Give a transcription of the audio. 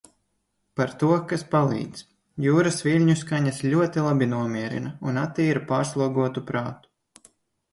Par to, kas palīdz. Jūras viļņu skaņas ļoti labi nomierina un attīra pārslogotu prātu.